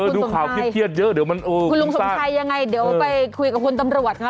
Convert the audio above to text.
ดูข่าวเครียดเยอะเดี๋ยวมันเออคุณลุงสมชัยยังไงเดี๋ยวไปคุยกับคุณตำรวจค่ะ